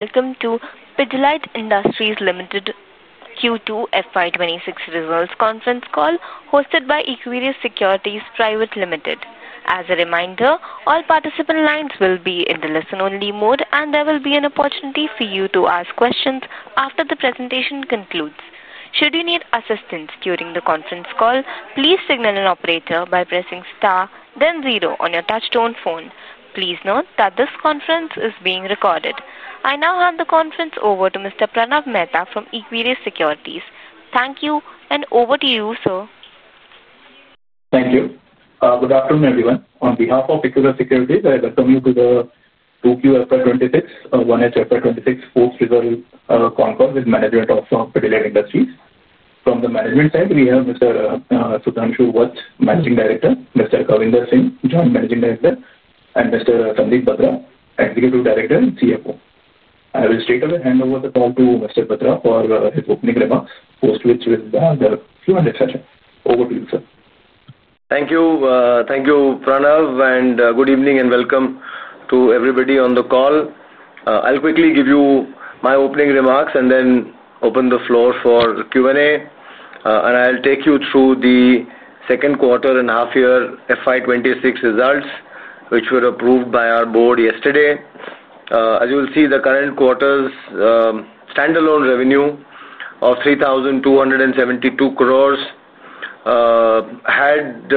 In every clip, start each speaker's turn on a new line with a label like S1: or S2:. S1: Welcome to Pidilite Industries Ltd. Q2 FY 2026 results conference call, hosted by Equirus Securities Pvt. Ltd. As a reminder, all participant lines will be in the listen-only mode, and there will be an opportunity for you to ask questions after the presentation concludes. Should you need assistance during the conference call, please signal an operator by pressing star then zero on your touch-tone phone. Please note that this conference is being recorded. I now hand the conference over to Mr. Pranav Mehta from Equirus Securities. Thank you, and over to you, sir.
S2: Thank you. Good afternoon, everyone. On behalf of Equirus Securities, I welcome you to the 2Q FY 2026, 1H FY 2026 Post-Result Conference with Management of Pidilite Industries. From the management side, we have Mr. Sudhanshu Vats, Managing Director; Mr. Kavinder Singh, Joint Managing Director; and Mr. Sandeep Batra, Executive Director and CFO. I will straight away hand over the call to Mr. Batra for his opening remarks, post which will be the Q&A session. Over to you, sir.
S3: Thank you. Thank you, Pranav. Good evening and welcome to everybody on the call. I'll quickly give you my opening remarks and then open the floor for Q&A. I'll take you through the second quarter and half-year FY 2026 results, which were approved by our board yesterday. As you will see, the current quarter's standalone revenue of 3,272 crore had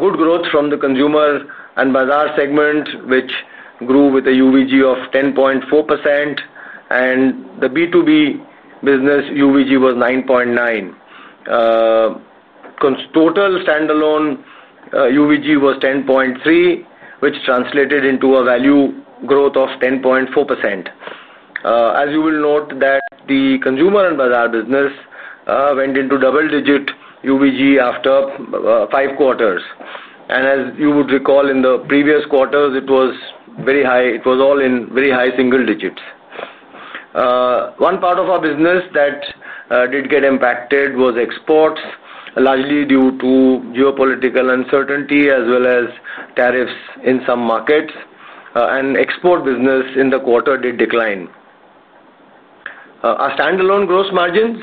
S3: good growth from the consumer and bazaar segment, which grew with a UVG of 10.4%. The B2B business UVG was 9.9%. Total standalone UVG was 10.3%, which translated into a value growth of 10.4%. As you will note, the consumer and bazaar business went into double-digit UVG after five quarters. As you would recall, in the previous quarters, it was all in very high single digits. One part of our business that did get impacted was exports, largely due to geopolitical uncertainty as well as tariffs in some markets. The export business in the quarter did decline. Our standalone gross margins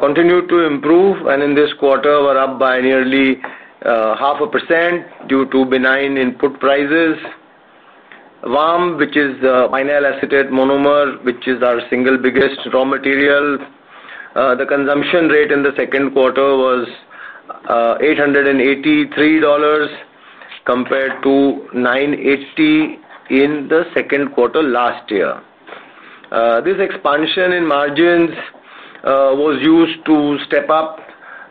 S3: continued to improve, and in this quarter, were up by nearly half a percent due to benign input prices. VAM, which is the vinyl acetate monomer, which is our single biggest raw material, the consumption rate in the second quarter was $883 compared to $980 in the second quarter last year. This expansion in margins was used to step up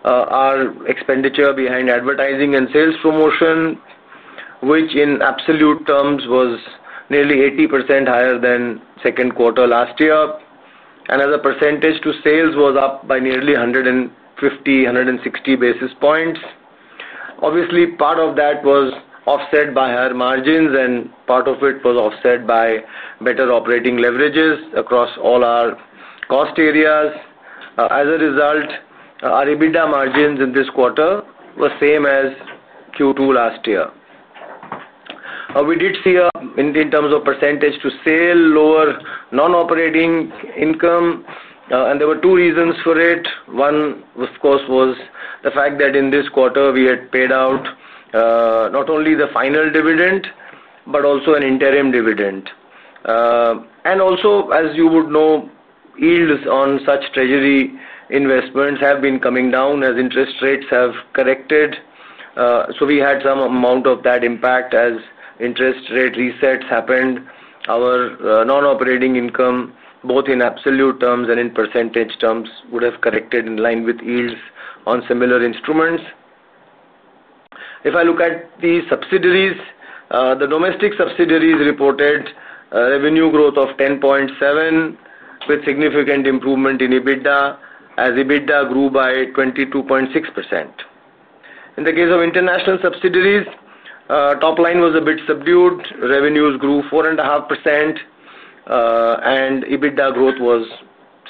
S3: our expenditure behind advertising and sales promotion, which in absolute terms was nearly 80% higher than second quarter last year, and as a percentage to sales, was up by nearly 150, 160 basis points. Obviously, part of that was offset by higher margins, and part of it was offset by better operating leverages across all our cost areas. As a result, our EBITDA margins in this quarter were the same as Q2 last year. We did see, in terms of percentage to sale, lower non-operating income. There were two reasons for it. One, of course, was the fact that in this quarter, we had paid out not only the final dividend, but also an interim dividend. Also, as you would know, yields on such treasury investments have been coming down as interest rates have corrected. We had some amount of that impact as interest rate resets happened. Our non-operating income, both in absolute terms and in percentage terms, would have corrected in line with yields on similar instruments. If I look at the subsidiaries, the domestic subsidiaries reported revenue growth of 10.7%, with significant improvement in EBITDA, as EBITDA grew by 22.6%. In the case of international subsidiaries, top line was a bit subdued. Revenues grew 4.5%, and EBITDA growth was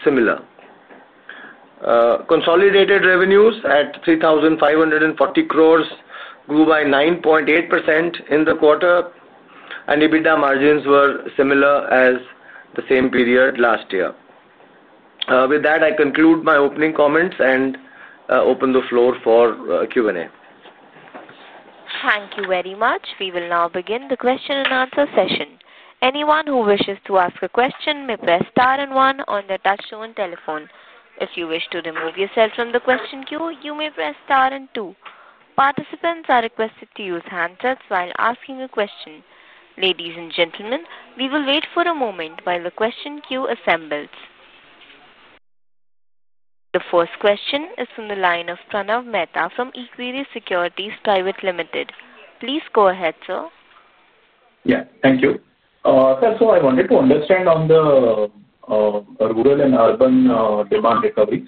S3: similar. Consolidated revenues at 3,540 crores grew by 9.8% in the quarter, and EBITDA margins were similar as the same period last year. With that, I conclude my opening comments and open the floor for Q&A.
S1: Thank you very much. We will now begin the question and answer session. Anyone who wishes to ask a question may press star and one on their touch-tone telephone. If you wish to remove yourself from the question queue, you may press star and two. Participants are requested to use handsets while asking a question. Ladies and gentlemen, we will wait for a moment while the question queue assembles. The first question is from the line of Pranav Mehta from Equirus Securities Pvt. Ltd. Please go ahead, sir.
S2: Yes, thank you. Sir, I wanted to understand on the rural and urban demand recovery.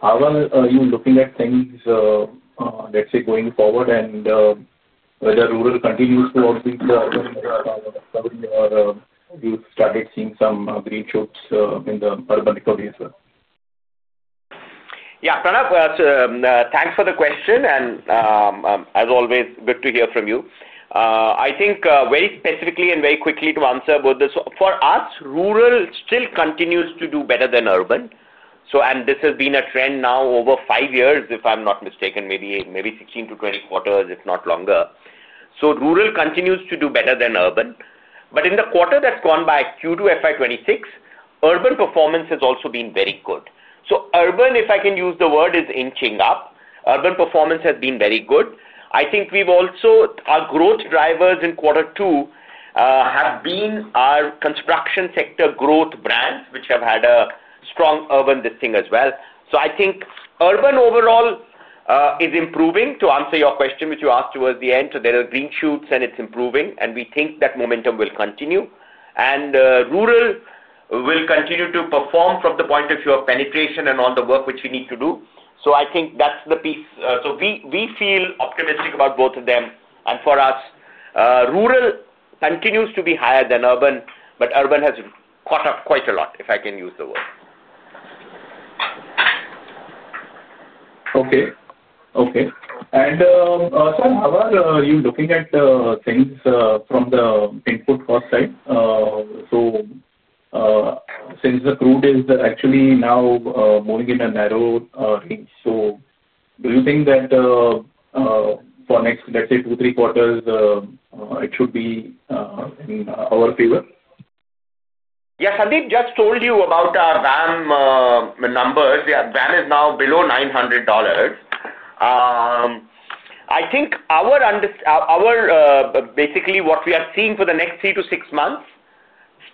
S2: How are you looking at things, let's say, going forward, and whether rural continues to outreach the urban? You started seeing some green shoots in the urban recovery as well.
S4: Yeah, Pranav, thanks for the question. As always, good to hear from you. I think very specifically and very quickly to answer both this. For us, rural still continues to do better than urban, and this has been a trend now over five years, if I'm not mistaken, maybe 16-20 quarters, if not longer. Rural continues to do better than urban. In the quarter that's gone by, Q2 FY 2026, urban performance has also been very good. Urban, if I can use the word, is inching up. Urban performance has been very good. I think we've also, our growth drivers in quarter two have been our construction sector growth brands, which have had a strong urban listing as well. Urban overall is improving. To answer your question, which you asked towards the end, there are green shoots, and it's improving. We think that momentum will continue, and rural will continue to perform from the point of view of penetration and all the work which we need to do. I think that's the piece. We feel optimistic about both of them. For us, rural continues to be higher than urban, but urban has caught up quite a lot, if I can use the word.
S2: Okay. How are you looking at things from the input cost side? Since the crude is actually now moving in a narrow range, do you think that for next, let's say, two, three quarters, it should be in our favor?
S4: Yes, Sandeep just told you about our VAM numbers. VAM is now below $900. I think basically what we are seeing for the next three to six months,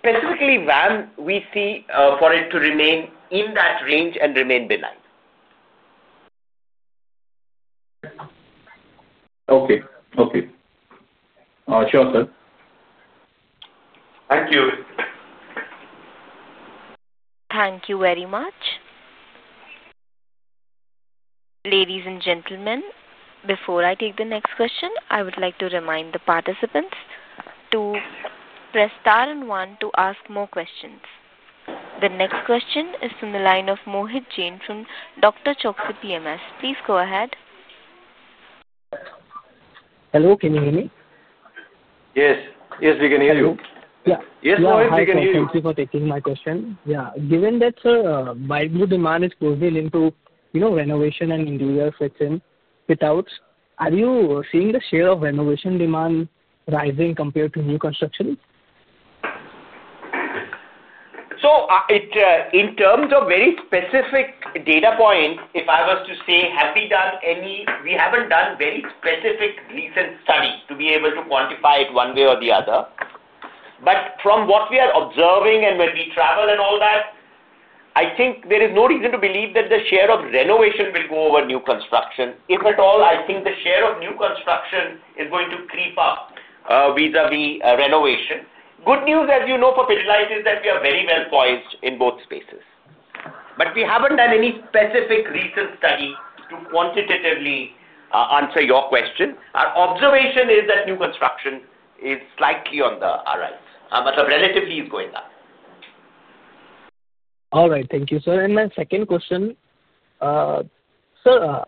S4: specifically VAM, we see for it to remain in that range and remain benign.
S2: Okay. Okay. Sure, sir.
S4: Thank you.
S1: Thank you very much. Ladies and gentlemen, before I take the next question, I would like to remind the participants to press star and one to ask more questions. The next question is from the line of Mohit Jain from Dr. [Chokshu] PMS. Please go ahead.
S5: Hello, can you hear me?
S4: Yes, yes, we can hear you.
S5: Yeah.
S4: Yes, Mohit, we can hear you.
S5: Thank you for taking my question. Given that, sir, buy-blue demand is closing into renovation and interior fit-outs, are you seeing the share of renovation demand rising compared to new construction?
S4: In terms of very specific data points, if I was to say, have we done any? We haven't done very specific recent studies to be able to quantify it one way or the other. From what we are observing and when we travel and all that, I think there is no reason to believe that the share of renovation will go over new construction. If at all, I think the share of new construction is going to creep up vis-à-vis renovation. Good news, as you know, for Pidilite is that we are very well poised in both spaces. We haven't done any specific recent study to quantitatively answer your question. Our observation is that new construction is slightly on the rise. I must have relatively is going up.
S5: All right. Thank you, sir. My second question, sir,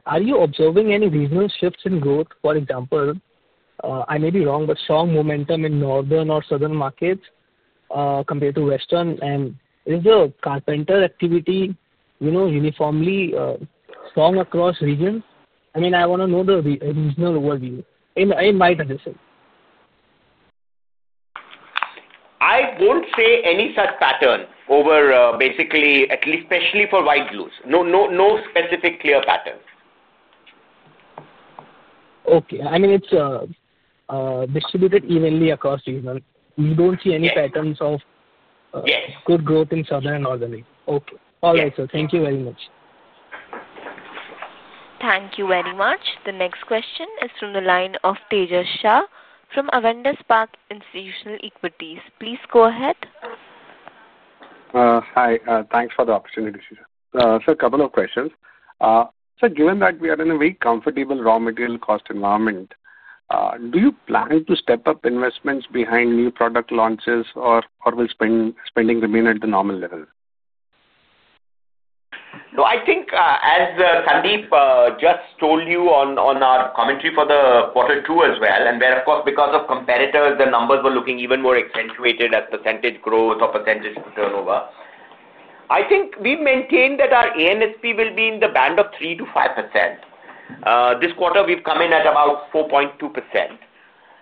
S5: are you observing any regional shifts in growth? For example, I may be wrong, but strong momentum in northern or southern markets compared to western. Is the carpenter activity uniformly strong across regions? I mean, I want to know the regional overview in my position.
S4: I won't say any such pattern over, especially for white glues. No specific clear pattern.
S5: Okay. I mean, it's distributed evenly across regions. We don't see any patterns of good growth in southern and northern regions. Okay. All right, sir. Thank you very much.
S1: Thank you very much. The next question is from the line of Tejash Shah from Avendus Park Institutional Equities. Please go ahead.
S6: Hi. Thanks for the opportunity, Sir. Sir, a couple of questions. Given that we are in a very comfortable raw material cost environment, do you plan to step up investments behind new product launches or will spending remain at the normal level?
S4: I think, as Sandeep just told you on our commentary for the quarter two as well, and where, of course, because of competitors, the numbers were looking even more accentuated at percentage growth or percentage turnover. I think we maintain that our ANSP will be in the band of 3%-5%. This quarter, we've come in at about 4.2%.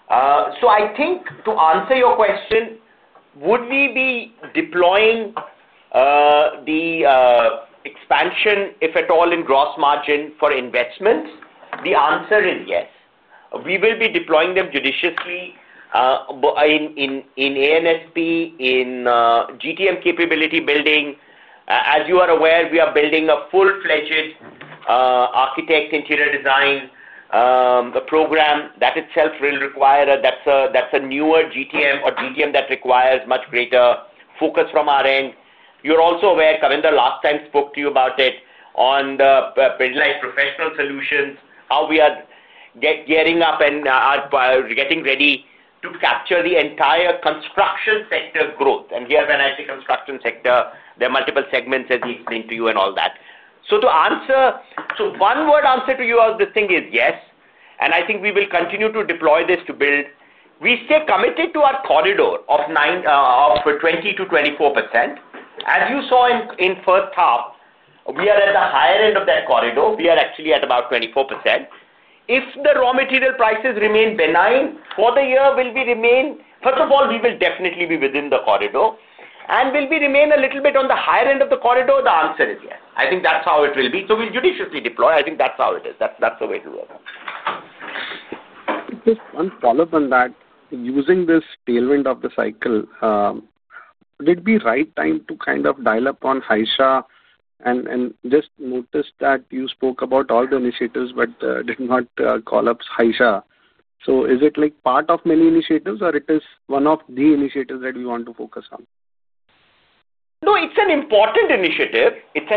S4: To answer your question, would we be deploying the expansion, if at all, in gross margin for investments? The answer is yes. We will be deploying them judiciously in ANSP, in GTM capability building. As you are aware, we are building a full-fledged architect interior design program. That itself will require a—that's a newer GTM or GTM that requires much greater focus from our end. You're also aware, Kavinder, last time spoke to you about it, on the Pidilite Professional Solutions, how we are gearing up and getting ready to capture the entire construction sector growth. Here, when I say construction sector, there are multiple segments, as he explained to you, and all that. To answer, one-word answer to you on this thing is yes. I think we will continue to deploy this to build. We stay committed to our corridor of 20%-24%. As you saw in first half, we are at the higher end of that corridor. We are actually at about 24%. If the raw material prices remain benign for the year, will we remain? First of all, we will definitely be within the corridor. Will we remain a little bit on the higher end of the corridor? The answer is yes. I think that's how it will be. We'll judiciously deploy. I think that's how it is. That's the way to go.
S6: Just one follow-up on that. Using this tailwind of the cycle, would it be the right time to kind of dial up on Haisha? I just noticed that you spoke about all the initiatives, but did not call up Haisha. Is it part of many initiatives, or is it one of the initiatives that we want to focus on?
S4: It's an important initiative. That's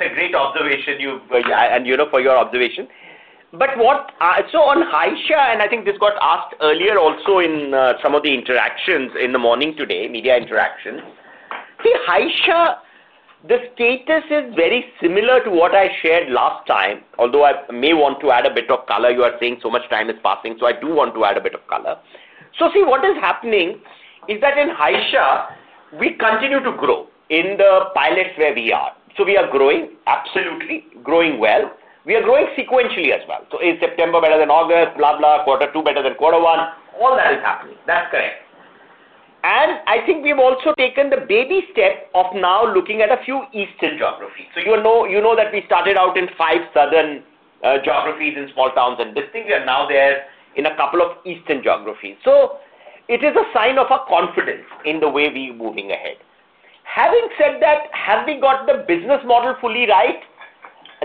S4: a great observation, and for your observation. On Haisha, I think this got asked earlier also in some of the interactions in the morning today, media interactions. The status is very similar to what I shared last time, although I may want to add a bit of color. You are saying so much time is passing, so I do want to add a bit of color. What is happening is that in Haisha, we continue to grow in the pilots where we are. We are growing, absolutely growing well. We are growing sequentially as well. In September, better than August, quarter two better than quarter one. All that is happening. That's correct. I think we've also taken the baby step of now looking at a few eastern geographies. You know that we started out in five southern geographies in small towns, and we are now there in a couple of eastern geographies. It is a sign of our confidence in the way we are moving ahead. Having said that, have we got the business model fully right?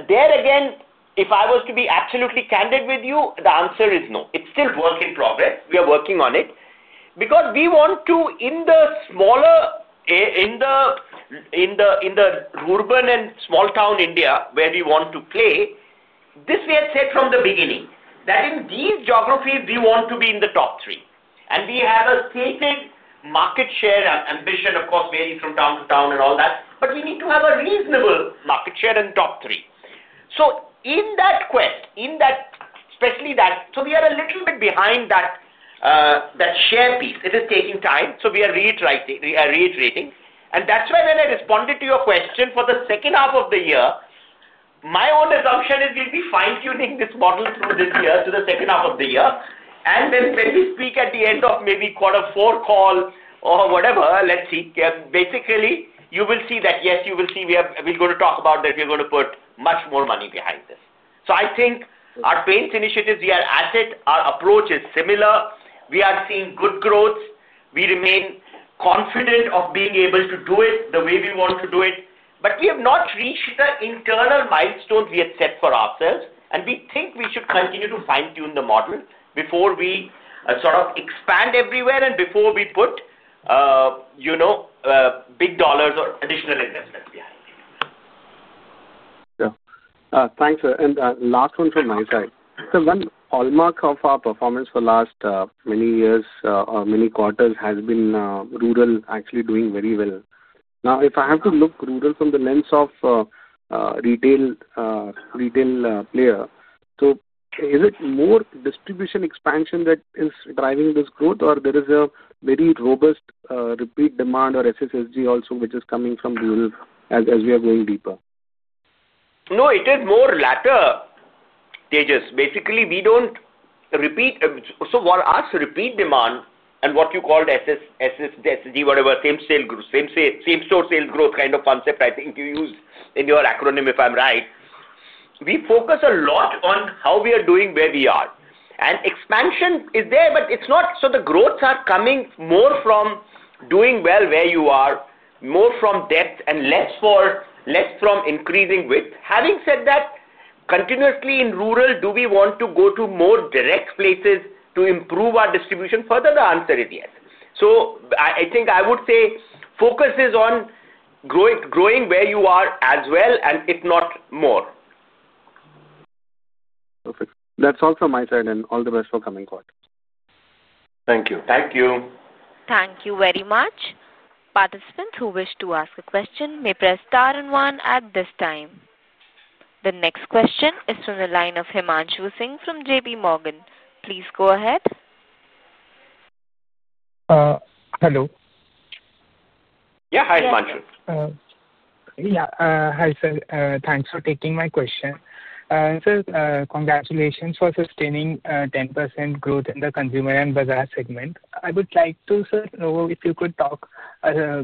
S4: There again, if I was to be absolutely candid with you, the answer is no. It's still work in progress. We are working on it. In the smaller urban and small-town India where we want to play, we had said from the beginning that in these geographies, we want to be in the top three. We have a stated market share ambition, of course, varies from town to town and all that, but we need to have a reasonable market share in the top three. In that quest, especially that, we are a little bit behind that share piece. It is taking time. We are reiterating. When I responded to your question for the second half of the year, my own assumption is we'll be fine-tuning this model through this year to the second half of the year. When we speak at the end of maybe quarter four call or whatever, let's see, basically, you will see that, yes, you will see we're going to talk about that we're going to put much more money behind this. I think our pains, initiatives, we are at it. Our approach is similar. We are seeing good growth. We remain confident of being able to do it the way we want to do it. We have not reached the internal milestones we had set for ourselves. We think we should continue to fine-tune the model before we sort of expand everywhere and before we put big dollars or additional investments behind it.
S6: Yeah. Thanks, sir. Last one from my side. Sir, one hallmark of our performance for the last many years or many quarters has been rural actually doing very well. Now, if I have to look rural from the lens of retail player, is it more distribution expansion that is driving this growth, or is there a very robust repeat demand or SSSG also, which is coming from rural as we are going deeper?
S4: No, it is more latter stages. Basically, we don't repeat. While you used repeat demand and what you called SSSG, whatever, same sale growth, same store sales growth kind of concept, I think you used in your acronym, if I'm right. We focus a lot on how we are doing where we are. Expansion is there, but it's not. The growths are coming more from doing well where you are, more from depth, and less from increasing width. Having said that, continuously in rural, do we want to go to more direct places to improve our distribution? Further, the answer is yes. I would say focus is on growing where you are as well, if not more.
S6: Perfect. That's all from my side, and all the best for the coming quarter. Thank you.
S4: Thank you.
S1: Thank you very much. Participants who wish to ask a question may press star and one at this time. The next question is from the line of Himanshu Singh from JPMorgan. Please go ahead.
S7: Hello.
S4: Yeah, hi, Himanshu.
S7: Yeah. Hi, sir. Thanks for taking my question. Sir, congratulations for sustaining 10% growth in the consumer and bazaar segment. I would like to, sir, know if you could talk,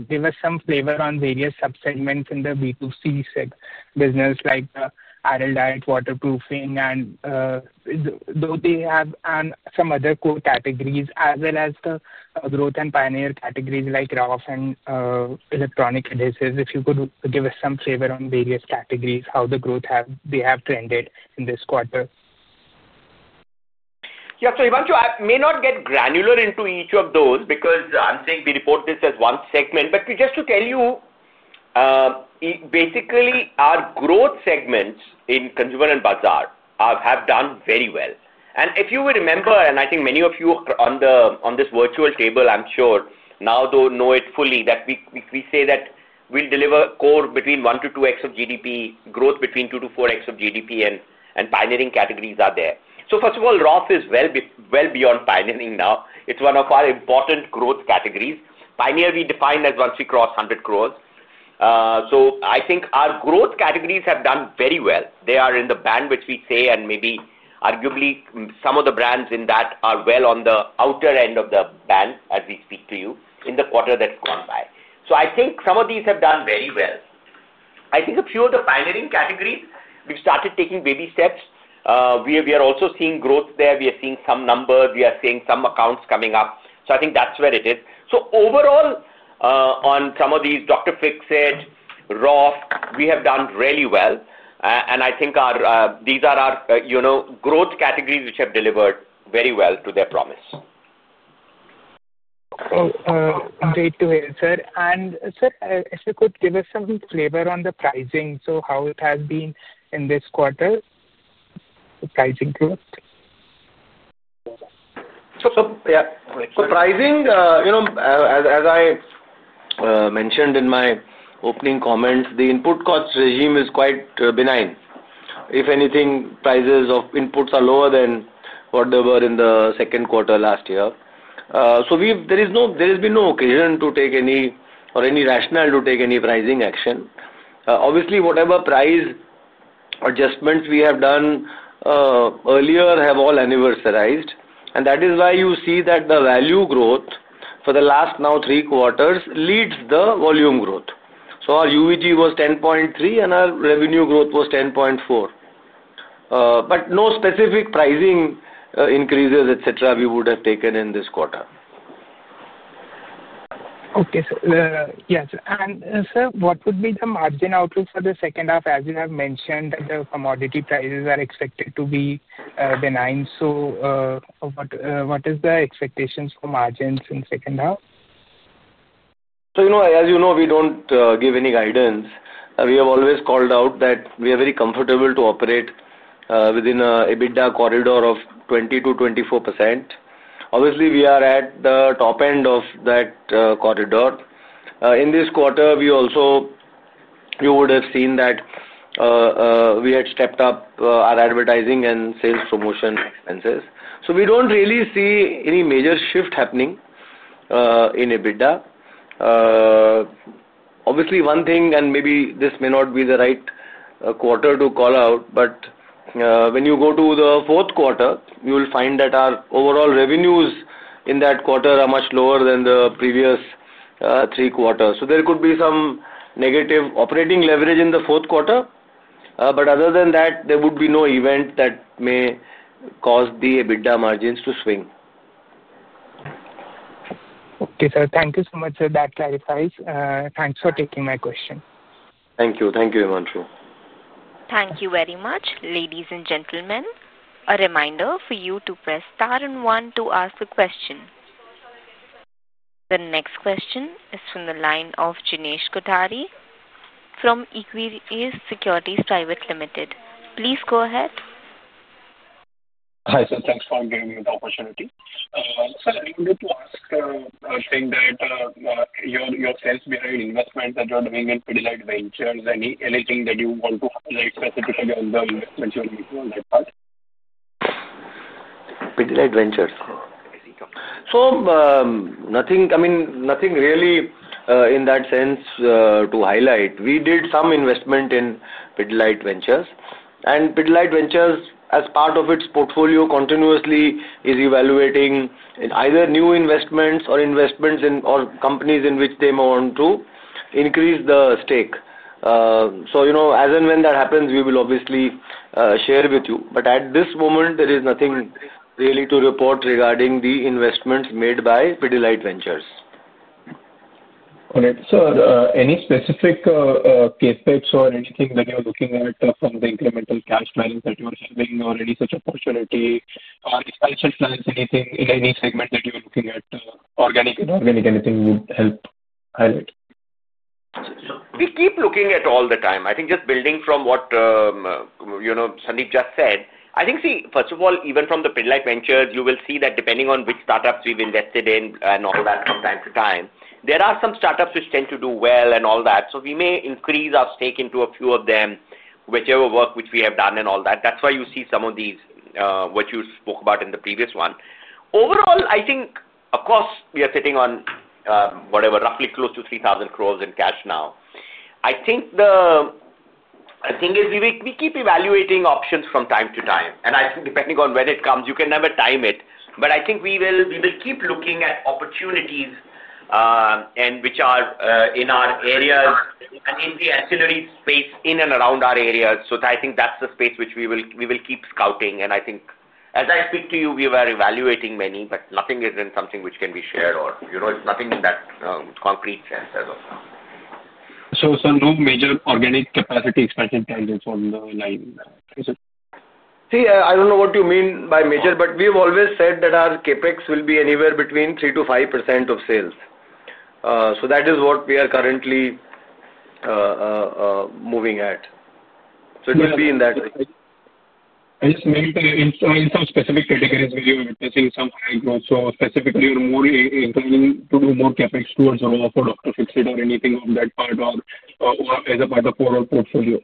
S7: give us some flavor on various subsegments in the B2C segment business like the aisle diet, waterproofing, and though they have some other core categories, as well as the growth and pioneer categories like RAF and electronic adhesives. If you could give us some flavor on various categories, how the growth they have trended in this quarter.
S4: Yeah, so I may not get granular into each of those because I'm saying we report this as one segment. Just to tell you, basically, our growth segments in consumer and bazaar have done very well. If you will remember, and I think many of you on this virtual table, I'm sure, now don't know it fully, that we say that we'll deliver core between 1X to 2X of GDP, growth between 2X to 4X of GDP, and pioneering categories are there. First of all, RAF is well beyond pioneering now. It's one of our important growth categories. Pioneer, we define as once we cross 100 crore. I think our growth categories have done very well. They are in the band, which we say, and maybe arguably some of the brands in that are well on the outer end of the band as we speak to you in the quarter that's gone by. I think some of these have done very well. I think a few of the pioneering categories, we've started taking baby steps. We are also seeing growth there. We are seeing some numbers. We are seeing some accounts coming up. That's where it is. Overall, on some of these, Dr. Fixit, RAF, we have done really well. I think these are our growth categories which have delivered very well to their promise.
S7: Great to hear, sir. If you could give us some flavor on the pricing, how it has been in this quarter. Pricing growth?
S3: As I mentioned in my opening comments, the input cost regime is quite benign. If anything, prices of inputs are lower than what they were in the second quarter last year. There has been no occasion to take any or any rationale to take any pricing action. Obviously, whatever price adjustments we have done earlier have all anniversarized. That is why you see that the value growth for the last now three quarters leads the volume growth. Our UVG was 10.3%, and our revenue growth was 10.4%. No specific pricing increases, etc., we would have taken in this quarter.
S7: Okay, sir. Yes. Sir, what would be the margin outlook for the second half, as you have mentioned that the commodity prices are expected to be benign? What is the expectations for margins in the second half?
S3: As you know, we don't give any guidance. We have always called out that we are very comfortable to operate within an EBITDA corridor of 20%-24%. Obviously, we are at the top end of that corridor. In this quarter, you would have seen that we had stepped up our advertising and sales promotion expenses. We don't really see any major shift happening in EBITDA. Obviously, one thing, and maybe this may not be the right quarter to call out, when you go to the fourth quarter, you will find that our overall revenues in that quarter are much lower than the previous three quarters. There could be some negative operating leverage in the fourth quarter. Other than that, there would be no event that may cause the EBITDA margins to swing.
S7: Okay, sir. Thank you so much, sir. That clarifies. Thanks for taking my question.
S3: Thank you. Thank you, Himanshu.
S1: Thank you very much, ladies and gentlemen. A reminder for you to press star and one to ask a question. The next question is from the line of Jinesh Kothari from Equirus Securities Pvt. Ltd. Please go ahead.
S8: Hi, sir. Thanks for giving me the opportunity. I wanted to ask, your sales behind investments that you're doing in Pidilite Ventures, anything that you want to highlight specifically on the investments you're making on that part?
S3: Pidilite Ventures. I mean, nothing really in that sense to highlight. We did some investment in Pidilite Ventures. Pidilite Ventures, as part of its portfolio, continuously is evaluating either new investments or investments in companies in which they want to increase the stake. As and when that happens, we will obviously share with you. At this moment, there is nothing really to report regarding the investments made by Pidilite Ventures.
S8: All right. Sir, any specific case types or anything that you're looking at from the incremental cash lines that you are having, or any such opportunity or expansion plans, anything in any segment that you are looking at, organic and inorganic, anything you would help highlight?
S4: We keep looking at all the time. I think just building from what Sandeep just said, I think, see, first of all, even from the Pidilite Ventures, you will see that depending on which startups we've invested in and all that from time to time, there are some startups which tend to do well and all that. We may increase our stake into a few of them, whichever work which we have done and all that. That's why you see some of these what you spoke about in the previous one. Overall, I think, of course, we are sitting on, whatever, roughly close to 3,000 crores in cash now. I think the thing is we keep evaluating options from time to time. I think depending on when it comes, you can never time it. I think we will keep looking at opportunities which are in our areas and in the ancillary space in and around our areas. I think that's the space which we will keep scouting. I think, as I speak to you, we were evaluating many, but nothing is in something which can be shared or nothing in that concrete sense as of now.
S8: No major organic capacity expansion targets on the line?
S3: See, I don't know what you mean by major, but we have always said that our capex will be anywhere between 3%-5% of sales. That is what we are currently moving at. It will be in that.
S8: In some specific categories, we are witnessing some high growth. Specifically, you're more inclining to do more capex towards RAF or Dr. Fixit or anything of that part or as a part of your portfolio?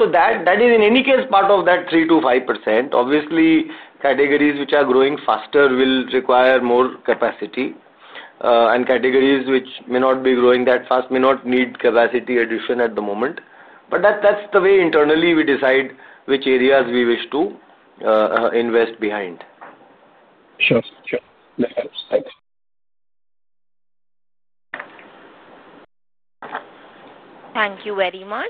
S4: That is, in any case, part of that 3%-5%. Obviously, categories which are growing faster will require more capacity, and categories which may not be growing that fast may not need capacity addition at the moment. That's the way internally we decide which areas we wish to invest behind.
S8: Sure. Sure. That helps. Thanks.
S1: Thank you very much.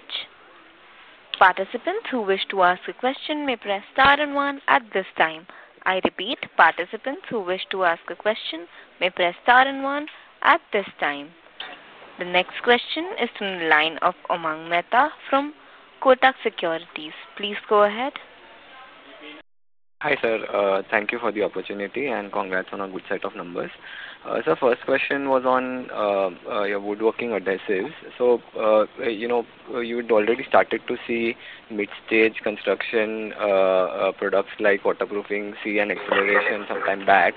S1: Participants who wish to ask a question may press star and one at this time. I repeat, participants who wish to ask a question may press star and one at this time. The next question is from the line of Umang Mehta from Kotak Securities. Please go ahead.
S9: Hi, sir. Thank you for the opportunity and congrats on a good set of numbers. First question was on your woodworking adhesives. You'd already started to see mid-stage construction products like waterproofing, sealants, acceleration some time back.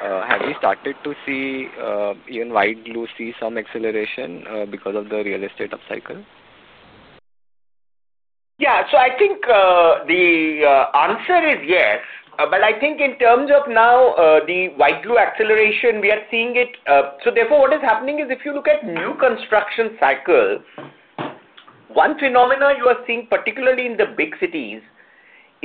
S9: Have you started to see even white glue see some acceleration because of the real estate upcycle?
S4: Yeah. I think the answer is yes. I think in terms of now the white glue acceleration, we are seeing it. Therefore, what is happening is if you look at new construction cycles, one phenomenon you are seeing particularly in the big cities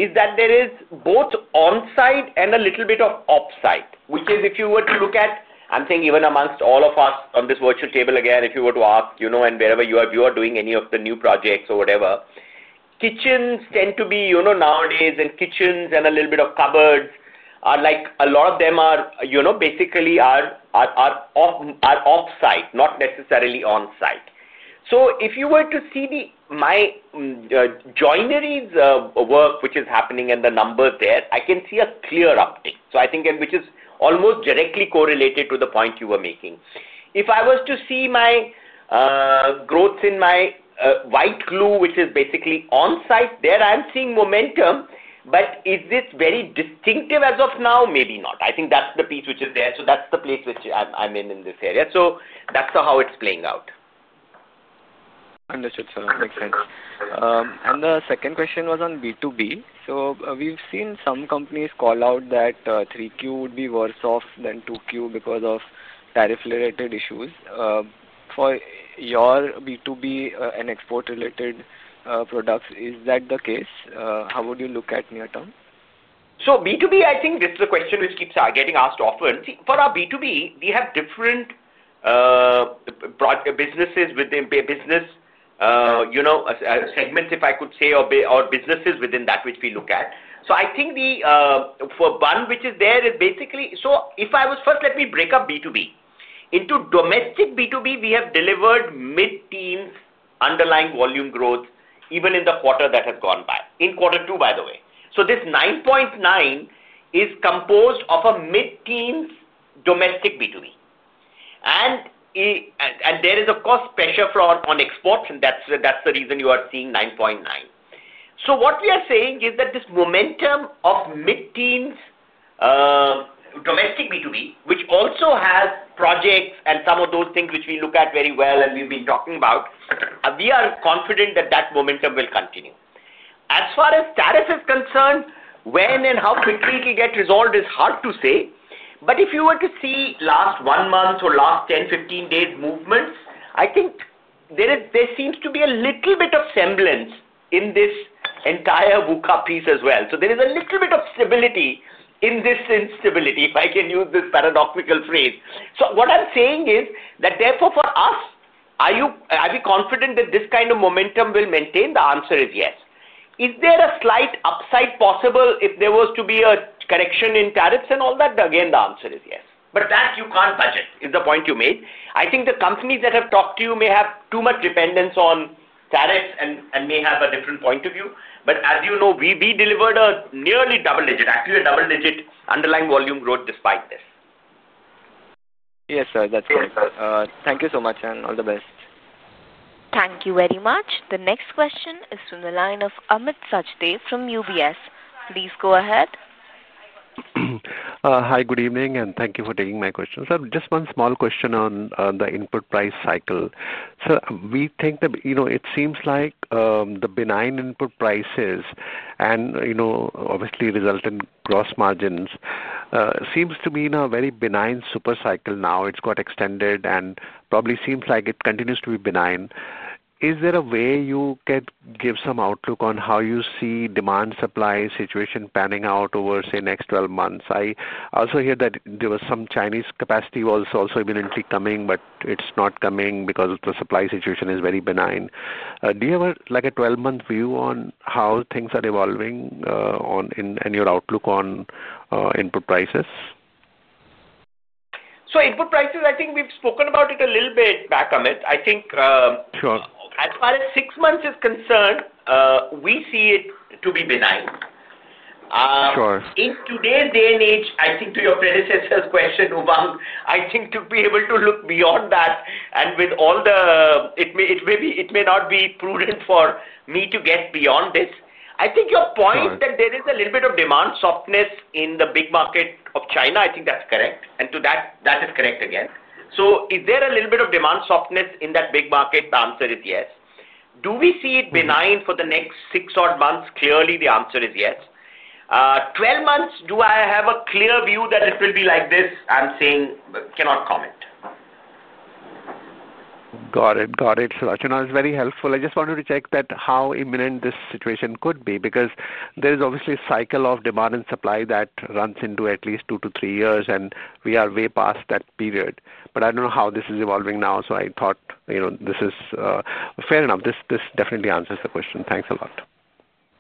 S4: is that there is both onsite and a little bit of offsite, which is if you were to look at, I'm saying even amongst all of us on this virtual table again, if you were to ask and wherever you are doing any of the new projects or whatever, kitchens tend to be nowadays and kitchens and a little bit of cupboards are like a lot of them are basically offsite, not necessarily onsite. If you were to see my joinery's work, which is happening and the numbers there, I can see a clear uptick. I think which is almost directly correlated to the point you were making. If I was to see my growths in my white glue, which is basically onsite, there I'm seeing momentum. Is this very distinctive as of now? Maybe not. I think that's the piece which is there. That's the place which I'm in in this area. That's how it's playing out.
S9: Understood, sir. Makes sense. The second question was on B2B. We've seen some companies call out that 3Q would be worse off than 2Q because of tariff-related issues. For your B2B and export-related products, is that the case? How would you look at near-term?
S4: B2B, I think this is a question which keeps getting asked often. For our B2B, we have different businesses within business segments, if I could say, or businesses within that which we look at. For one, which is there is basically, if I was first, let me break up B2B into domestic B2B. We have delivered mid-teens underlying volume growth even in the quarter that has gone by, in quarter two, by the way. This 9.9% is composed of a mid-teens domestic B2B. There is, of course, pressure on exports, and that's the reason you are seeing 9.9%. What we are saying is that this momentum of mid-teens domestic B2B, which also has projects and some of those things which we look at very well and we've been talking about, we are confident that that momentum will continue. As far as tariff is concerned, when and how quickly it will get resolved is hard to say. If you were to see last one month or last 10, 15 days movements, there seems to be a little bit of semblance in this entire VUCA piece as well. There is a little bit of stability in this instability, if I can use this paradoxical phrase. What I'm saying is that therefore for us, are we confident that this kind of momentum will maintain? The answer is yes. Is there a slight upside possible if there was to be a correction in tariffs and all that? Again, the answer is yes. That you can't budget is the point you made. The companies that have talked to you may have too much dependence on tariffs and may have a different point of view. As you know, we delivered a nearly double-digit, actually a double-digit underlying volume growth despite this.
S9: Yes, sir. That's correct. Thank you so much and all the best.
S1: Thank you very much. The next question is from the line of Amit Sachdeva from UBS. Please go ahead.
S10: Hi, good evening and thank you for taking my question. Sir, just one small question on the input price cycle. Sir, we think that it seems like the benign input prices obviously result in gross margins. Seems to be in a very benign super cycle now. It's got extended and probably seems like it continues to be benign. Is there a way you can give some outlook on how you see demand-supply situation panning out over, say, next 12 months? I also hear that there was some Chinese capacity was also evidently coming, but it's not coming because the supply situation is very benign. Do you have a 12-month view on how things are evolving and your outlook on input prices?
S4: Input prices, I think we've spoken about it a little bit back, Amit. As far as six months is concerned, we see it to be benign. In today's day and age, to your predecessor's question, Ubang, to be able to look beyond that and with all the. It may not be prudent for me to get beyond this. Your point that there is a little bit of demand softness in the big market of China, that's correct. That is correct again. Is there a little bit of demand softness in that big market? The answer is yes. Do we see it benign for the next six odd months? Clearly, the answer is yes. Twelve months, do I have a clear view that it will be like this? I'm saying cannot comment.
S10: Got it. Got it. Sir, that's very helpful. I just wanted to check how imminent this situation could be because there is obviously a cycle of demand and supply that runs into at least two to three years, and we are way past that period. I don't know how this is evolving now. I thought this is fair enough. This definitely answers the question. Thanks a lot.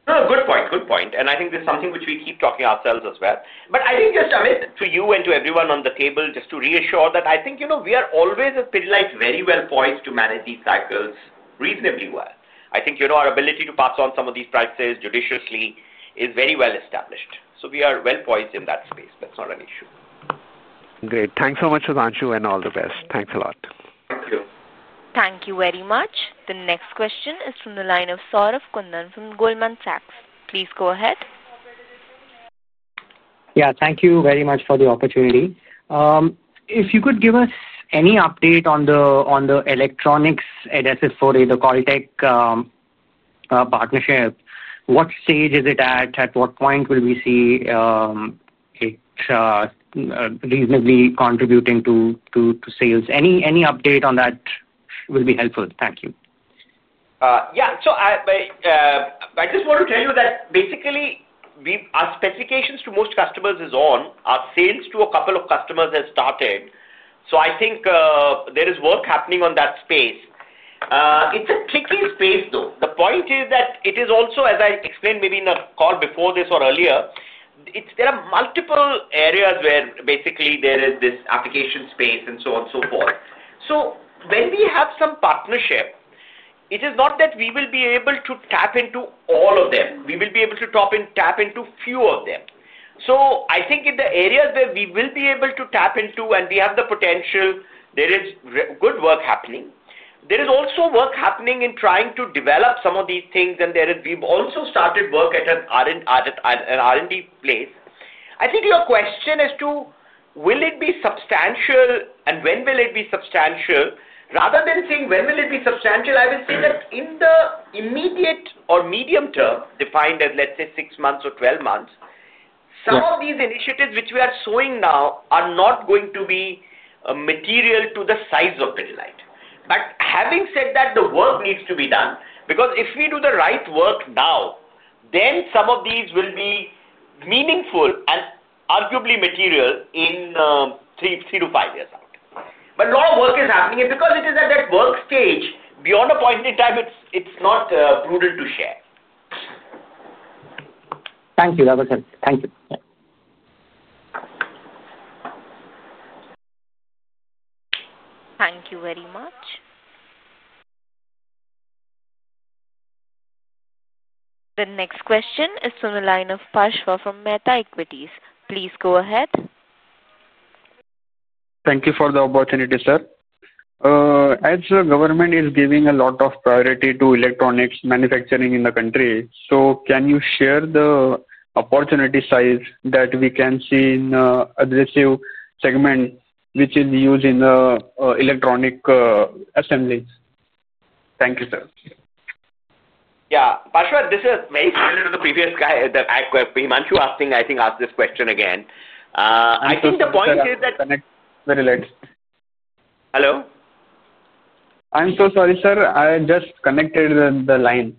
S4: Good point. I think this is something which we keep talking ourselves as well. I think, Amit, to you and to everyone on the table, just to reassure that I think we are always very well-poised to manage these cycles reasonably well. I think our ability to pass on some of these prices judiciously is very well established. We are well-poised in that space. That's not an issue.
S10: Great. Thanks so much, Sudhanshu, and all the best. Thanks a lot.
S4: Thank you.
S1: Thank you very much. The next question is from the line of Saurabh Kundan from Goldman Sachs. Please go ahead.
S11: Thank you very much for the opportunity. If you could give us any update on the electronics at SFOD, the Caltech partnership, what stage is it at? At what point will we see it reasonably contributing to sales? Any update on that would be helpful. Thank you.
S4: Yeah. I just want to tell you that basically our specifications to most customers is on. Our sales to a couple of customers has started. I think there is work happening on that space. It's a tricky space, though. The point is that it is also, as I explained maybe in a call before this or earlier, there are multiple areas where basically there is this application space and so on and so forth. When we have some partnership, it is not that we will be able to tap into all of them. We will be able to tap into few of them. I think in the areas where we will be able to tap into and we have the potential, there is good work happening. There is also work happening in trying to develop some of these things. We've also started work at an R&D place. I think your question as to will it be substantial and when will it be substantial, rather than saying when will it be substantial, I will say that in the immediate or medium term, defined as, let's say, six months or 12 months, some of these initiatives which we are sowing now are not going to be material to the size of Pidilite. Having said that, the work needs to be done because if we do the right work now, then some of these will be meaningful and arguably material in three to five years out. A lot of work is happening, and because it is at that work stage, beyond a point in time, it's not prudent to share.
S11: Thank you, sir. Thank you.
S1: Thank you very much. The next question is from the line of Prashanth from Mehta Equities. Please go ahead.
S12: Thank you for the opportunity, sir. As the government is giving a lot of priority to electronics manufacturing in the country, can you share the opportunity size that we can see in the adhesive segment which is used in the electronic assemblies? Thank you, sir.
S4: Yeah. Prashanth, this is very similar to the previous guy that Sudhanshu asked this question again. I think the point is that.
S12: Very late.
S4: Hello?
S12: I'm so sorry, sir. I just connected the line.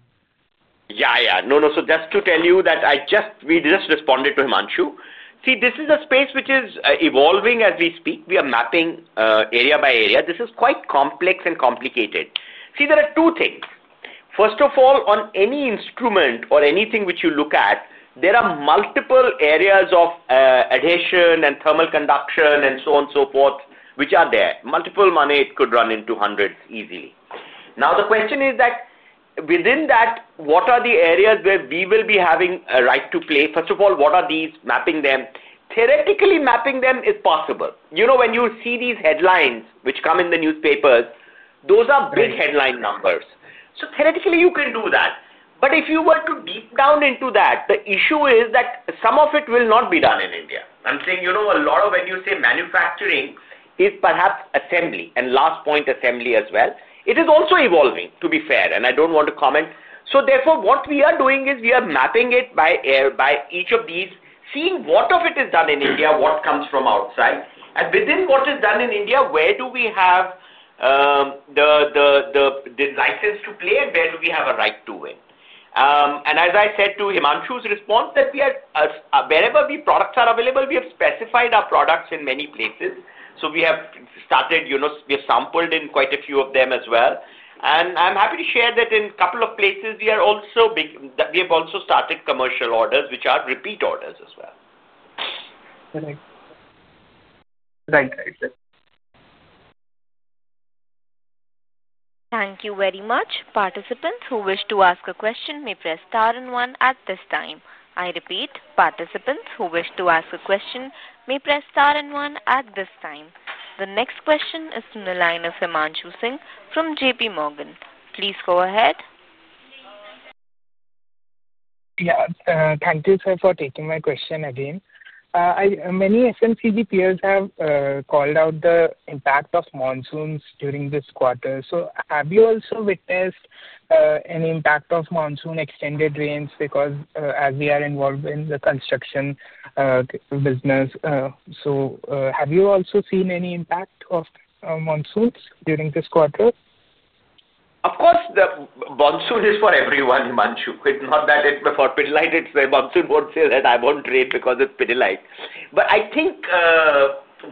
S4: Yeah, yeah. No, no. Just to tell you that we just responded to Himanshu. This is a space which is evolving as we speak. We are mapping area by area. This is quite complex and complicated. There are two things. First of all, on any instrument or anything which you look at, there are multiple areas of adhesion and thermal conduction and so on and so forth which are there. Multiple money, it could run into hundreds easily. Now, the question is that within that, what are the areas where we will be having a right to play? First of all, what are these, mapping them? Theoretically, mapping them is possible. When you see these headlines which come in the newspapers, those are big headline numbers. Theoretically, you can do that. If you were to deep down into that, the issue is that some of it will not be done in India. I'm saying a lot of when you say manufacturing is perhaps assembly and last point, assembly as well. It is also evolving, to be fair. I don't want to comment. Therefore, what we are doing is we are mapping it by each of these, seeing what of it is done in India, what comes from outside. Within what is done in India, where do we have the license to play and where do we have a right to win? As I said to Himanshu's response, wherever the products are available, we have specified our products in many places. We have started, we have sampled in quite a few of them as well. I'm happy to share that in a couple of places, we have also started commercial orders which are repeat orders as well.
S12: Right.
S1: Thank you very much. Participants who wish to ask a question may press star and one at this time. I repeat, participants who wish to ask a question may press star and one at this time. The next question is from the line of Himanshu Singh from JPMorgan. Please go ahead.
S7: Thank you, sir, for taking my question again. Many SMCG peers have called out the impact of monsoons during this quarter. Have you also witnessed an impact of monsoon extended rains because as we are involved in the construction business, have you also seen any impact of monsoons during this quarter?
S4: Of course, the monsoon is for everyone, Himanshu. It's not that it's for Pidilite. The monsoon won't say that it won't rain because it's Pidilite.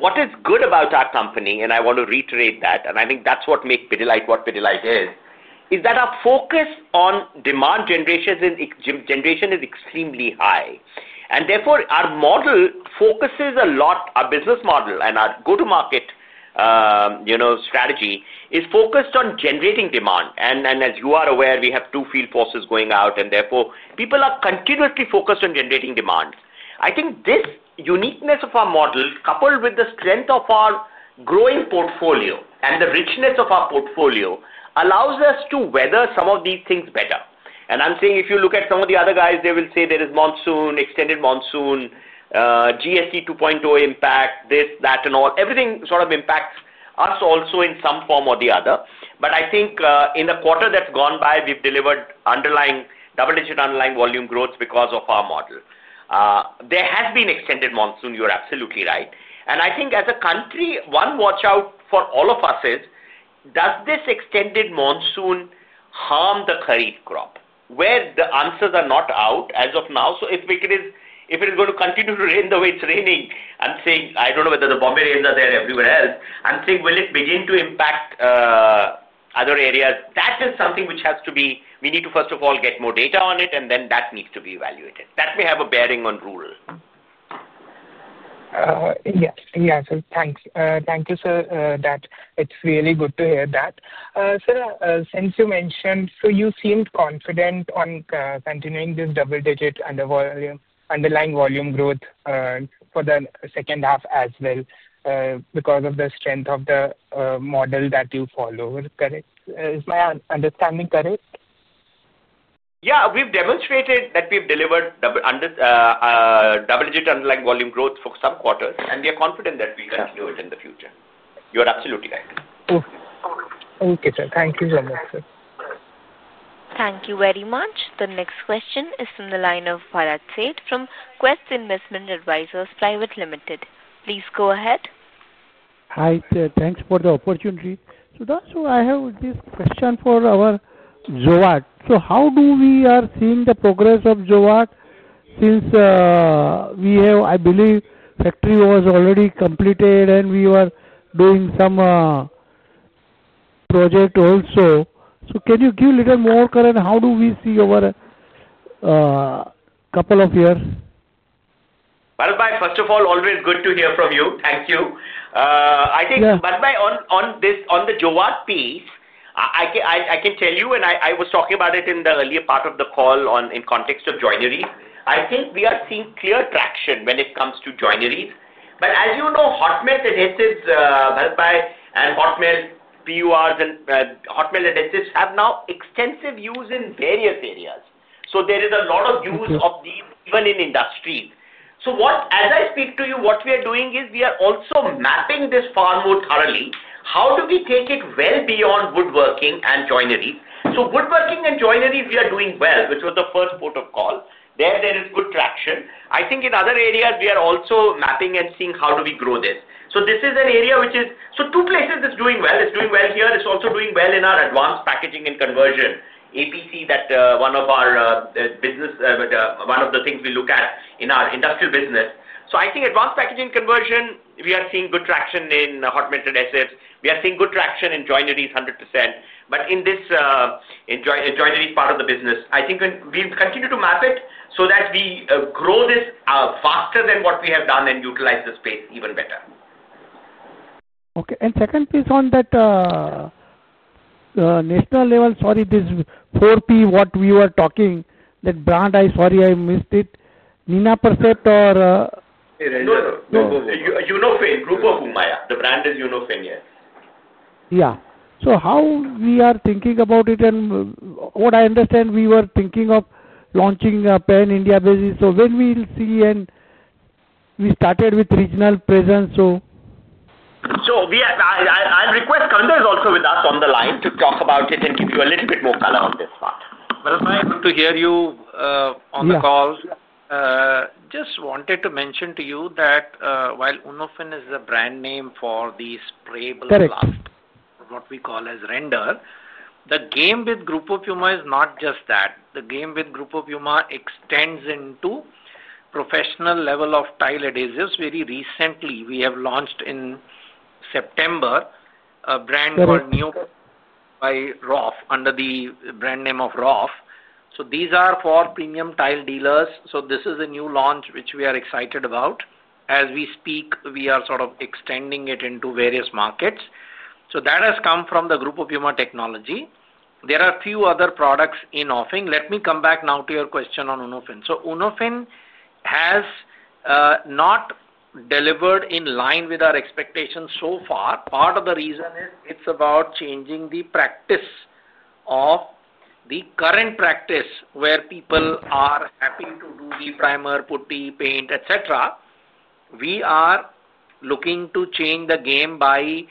S4: What is good about our company, and I want to reiterate that, and I think that's what makes Pidilite what Pidilite is, is that our focus on demand generation is extremely high. Therefore, our model focuses a lot, our business model and our go-to-market strategy is focused on generating demand. As you are aware, we have two field forces going out, and therefore, people are continuously focused on generating demand. I think this uniqueness of our model, coupled with the strength of our growing portfolio and the richness of our portfolio, allows us to weather some of these things better. If you look at some of the other guys, they will say there is monsoon, extended monsoon, GST 2.0 impact, this, that, and all. Everything sort of impacts us also in some form or the other. I think in the quarter that's gone by, we've delivered double-digit underlying volume growth because of our model. There has been extended monsoon. You're absolutely right. I think as a country, one watch out for all of us is, does this extended monsoon harm the kharif crop, where the answers are not out as of now. If it is going to continue to rain the way it's raining, I don't know whether the Bombay rains are there everywhere else. Will it begin to impact other areas? That is something which has to be, we need to, first of all, get more data on it, and then that needs to be evaluated. That may have a bearing on rural.
S7: Yes. Thank you, sir, that it's really good to hear that. Sir, since you mentioned, you seemed confident on continuing this double-digit underlying volume growth for the second half as well because of the strength of the model that you follow. Is my understanding correct?
S4: Yeah. We've demonstrated that we've delivered double-digit underlying volume growth for some quarters, and we are confident that we can do it in the future. You are absolutely right.
S7: Okay, sir. Thank you very much, sir.
S1: Thank you very much. The next question is from the line of Bharat Sheth from Quest Investment Advisors Pvt. Ltd. Please go ahead.
S13: Hi, sir. Thanks for the opportunity. I have this question for Jowat. How do we see the progress of Jowat since? I believe the factory was already completed, and we were doing some project also. Can you give a little more current? How do we see over a couple of years?
S4: Bharatbhai, first of all, always good to hear from you. Thank you. I think Bharatbhai, on the Jowat piece, I can tell you, and I was talking about it in the earlier part of the call in context of joinery. I think we are seeing clear traction when it comes to joineries. As you know, hotmelt adhesives, Bharatbhai, and hotmelt PURs and hotmelt adhesives have now extensive use in various areas. There is a lot of use of these even in industry. As I speak to you, what we are doing is we are also mapping this far more thoroughly. How do we take it well beyond woodworking and joineries? Woodworking and joineries, we are doing well, which was the first port of call. There is good traction. I think in other areas, we are also mapping and seeing how do we grow this. This is an area which is, so two places is doing well. It's doing well here. It's also doing well in our advanced packaging and conversion, APC, that one of our business. One of the things we look at in our industrial business. I think advanced packaging conversion, we are seeing good traction in hotmelt adhesives. We are seeing good traction in joineries 100%. In this joineries part of the business, I think we continue to map it so that we grow this faster than what we have done and utilize the space even better.
S13: Okay. Second piece on that. National level, sorry, this 4P, what we were talking, that brand, I'm sorry, I missed it. Nina Percet or?
S4: No, no. Unofin, Group of Umaya. The brand is Unofin here.
S13: Yeah. How we are thinking about it and what I understand, we were thinking of launching a pan-India basis. When we'll see, we started with regional presence.
S4: I'll request Kavinder, also with us on the line, to talk about it and give you a little bit more color on this part.
S14: Bharatbhai, good to hear you on the call. Just wanted to mention to you that while Unofin is the brand name for these sprayable glass, what we call as render, the game with Group of Uma is not just that. The game with Group of Uma extends into professional level of tile adhesives. Very recently, we have launched in September a brand called New by Roth, under the brand name of Roth. These are for premium tile dealers. This is a new launch which we are excited about. As we speak, we are sort of extending it into various markets. That has come from the Group of Uma technology. There are a few other products in offering. Let me come back now to your question on Unofin. Unofin has not delivered in line with our expectations so far. Part of the reason is it's about changing the practice of the current practice where people are happy to do the primer, putti, paint, etc. We are looking to change the game by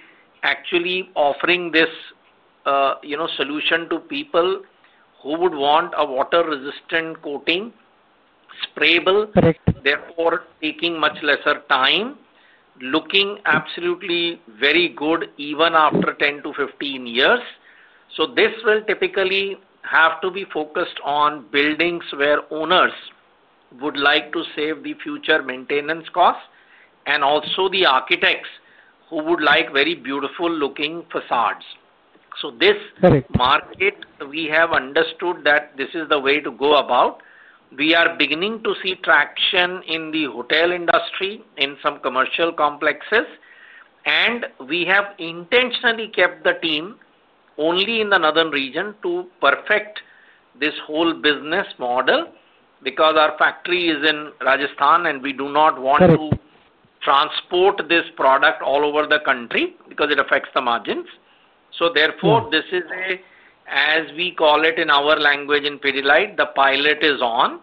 S14: actually offering this solution to people who would want a water-resistant coating. Sprayable, therefore taking much lesser time, looking absolutely very good even after 10-15 years. This will typically have to be focused on buildings where owners would like to save the future maintenance costs and also the architects who would like very beautiful-looking facades. This market, we have understood that this is the way to go about. We are beginning to see traction in the hotel industry, in some commercial complexes. We have intentionally kept the team only in the northern region to perfect this whole business model because our factory is in Rajasthan and we do not want to transport this product all over the country because it affects the margins. Therefore, this is, as we call it in our language in Pidilite, the pilot is on.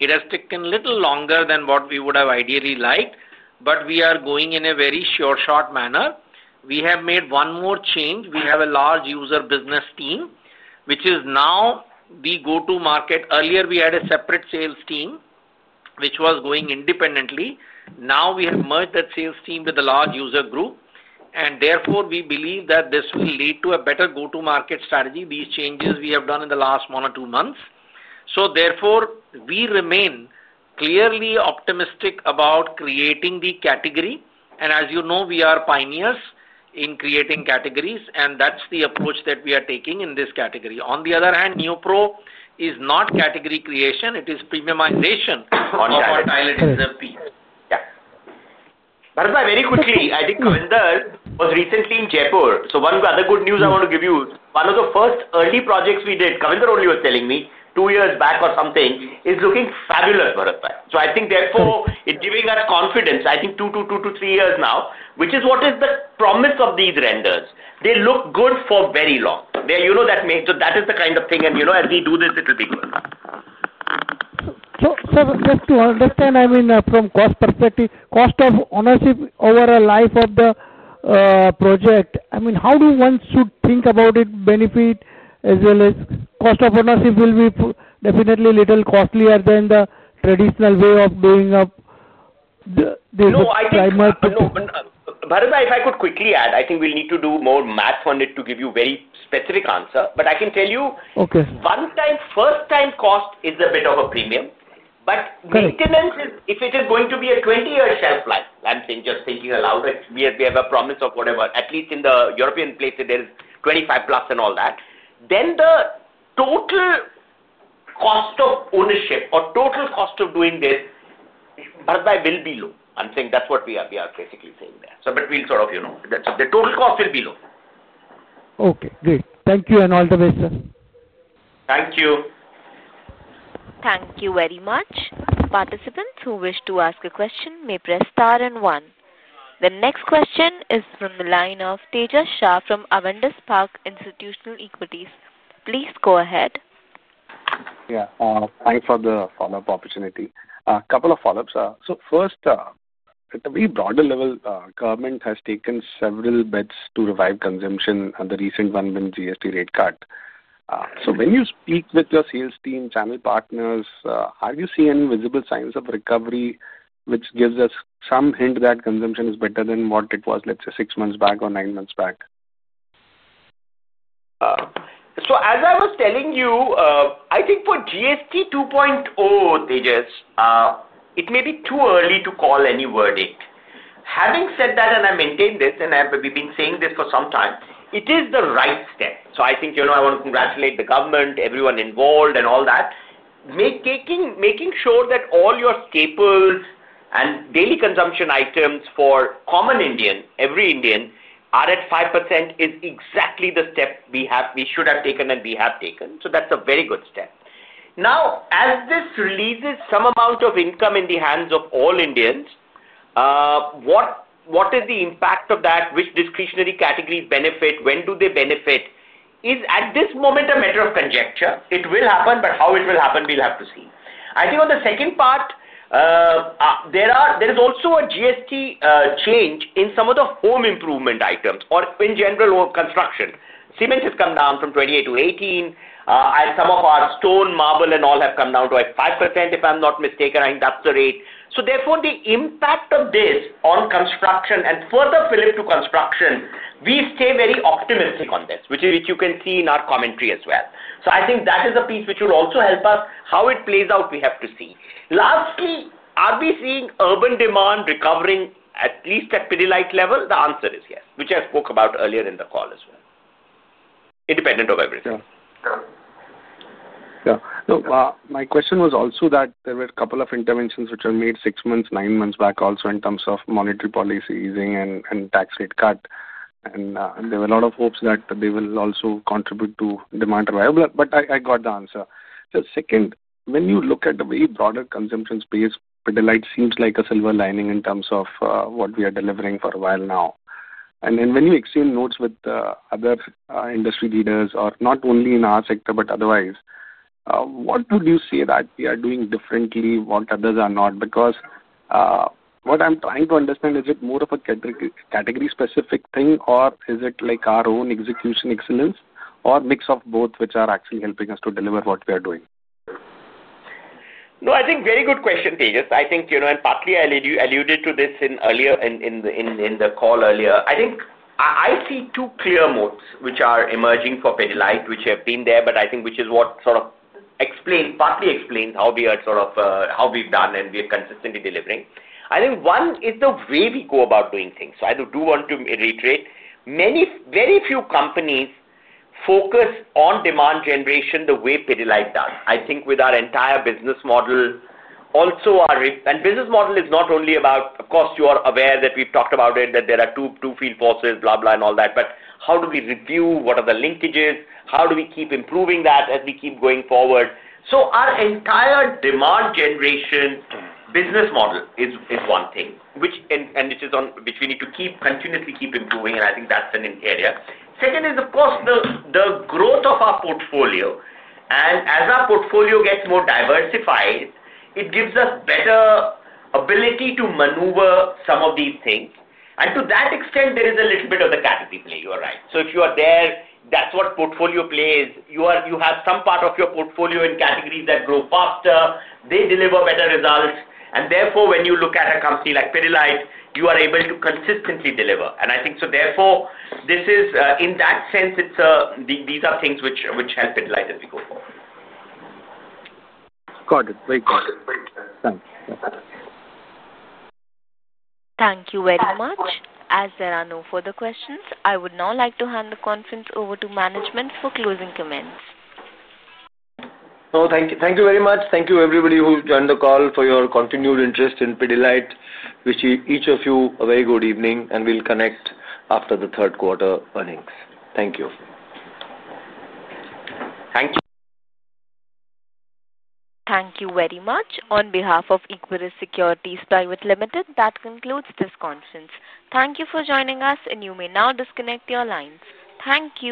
S14: It has taken a little longer than what we would have ideally liked, but we are going in a very short-shot manner. We have made one more change. We have a large user business team, which is now the go-to-market. Earlier, we had a separate sales team, which was going independently. Now we have merged that sales team with a large user group. Therefore, we believe that this will lead to a better go-to-market strategy, these changes we have done in the last one or two months. We remain clearly optimistic about creating the category. As you know, we are pioneers in creating categories, and that's the approach that we are taking in this category. On the other hand, NeoPro is not category creation. It is premiumization on our tile adhesive piece. Yeah.
S4: Bharatbhai, very quickly, I think Kavinder was recently in Jaipur. One other good news I want to give you, one of the first early projects we did, Kavinder only was telling me two years back or something, is looking fabulous, Bharatbhai. I think therefore it's giving us confidence. I think two, two, two, two, three years now, which is what is the promise of these renders. They look good for very long. You know that makes that is the kind of thing. As we do this, it'll be good.
S13: Just to understand, I mean, from cost perspective, cost of ownership over a life of the project, I mean, how do one should think about it, benefit, as well as cost of ownership will be definitely a little costlier than the traditional way of doing a primer?
S4: No, I think Bharatbhai, if I could quickly add, I think we need to do more math on it to give you a very specific answer. I can tell you.
S13: Okay.
S4: First-time cost is a bit of a premium, but maintenance, if it is going to be a 20-year shelf life, I'm just thinking aloud, we have a promise of whatever, at least in the European places, there is 25 plus and all that. The total cost of ownership or total cost of doing this, Bharatbhai, will be low. I'm saying that's what we are basically saying there. The total cost will be low.
S13: Okay. Great. Thank you and all the best, sir.
S4: Thank you.
S1: Thank you very much. Participants who wish to ask a question may press star and one. The next question is from the line of Tejash Shah from Avendus Park Institutional Equities. Please go ahead.
S6: Yeah, thanks for the follow-up opportunity. A couple of follow-ups. First, at a very broader level, government has taken several bets to revive consumption, and the recent one being GST rate cut. When you speak with your sales team, channel partners, have you seen any visible signs of recovery, which gives us some hint that consumption is better than what it was, let's say, six months back or nine months back?
S4: As I was telling you, I think for GST 2.0, Tejash, it may be too early to call any verdict. Having said that, and I maintain this, and we've been saying this for some time, it is the right step. I want to congratulate the government, everyone involved, and all that. Making sure that all your staples and daily consumption items for common Indian, every Indian, are at 5% is exactly the step we should have taken and we have taken. That's a very good step. Now, as this releases some amount of income in the hands of all Indians, what is the impact of that? Which discretionary categories benefit? When do they benefit? Is at this moment a matter of conjecture. It will happen, but how it will happen, we'll have to see. I think on the second part, there is also a GST change in some of the home improvement items or in general construction. Cement has come down from 28%-18%, and some of our stone, marble, and all have come down to like 5%, if I'm not mistaken. I think that's the rate. Therefore, the impact of this on construction and further flip to construction, we stay very optimistic on this, which you can see in our commentary as well. I think that is a piece which will also help us. How it plays out, we have to see. Lastly, are we seeing urban demand recovering, at least at Pidilite level? The answer is yes, which I spoke about earlier in the call as well. Independent of everything.
S6: Yeah. My question was also that there were a couple of interventions which were made six months, nine months back in terms of monetary policy easing and tax rate cut. There were a lot of hopes that they will also contribute to demand revival. I got the answer. When you look at the very broader consumption space, Pidilite seems like a silver lining in terms of what we are delivering for a while now. When you exchange notes with other industry leaders, not only in our sector but otherwise, what would you say that we are doing differently, what others are not? What I'm trying to understand, is it more of a category-specific thing, or is it like our own execution excellence, or a mix of both, which are actually helping us to deliver what we are doing?
S4: No, I think very good question, Tejash. I think, and partly I alluded to this in the call earlier. I think I see two clear modes which are emerging for Pidilite, which have been there, but I think which is what sort of partly explains how we are sort of how we've done and we are consistently delivering. One is the way we go about doing things. I do want to reiterate, very few companies focus on demand generation the way Pidilite does. With our entire business model, also our business model is not only about, of course, you are aware that we've talked about it, that there are two feed forces, blah, blah, and all that. How do we review? What are the linkages? How do we keep improving that as we keep going forward? Our entire demand generation business model is one thing, which we need to continuously keep improving, and I think that's an area. Second is, of course, the growth of our portfolio. As our portfolio gets more diversified, it gives us better ability to maneuver some of these things. To that extent, there is a little bit of the category play. You are right. If you are there, that's what portfolio play is. You have some part of your portfolio in categories that grow faster. They deliver better results. Therefore, when you look at a company like Pidilite, you are able to consistently deliver. I think in that sense, these are things which help Pidilite as we go forward.
S6: Got it. Thanks.
S1: Thank you very much. As there are no further questions, I would now like to hand the conference over to management for closing comments.
S3: No, thank you very much. Thank you, everybody who joined the call for your continued interest in Pidilite. Wish each of you a very good evening, and we'll connect after the third-quarter earnings. Thank you.
S4: Thank you.
S1: Thank you very much. On behalf of Equirus Securities Pvt. Ltd., that concludes this conference. Thank you for joining us, and you may now disconnect your lines. Thank you.